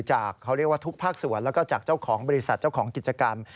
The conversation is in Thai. จากทุกภาคส่วนและเจ้าของบริษัทเจ้าของกิจกรรม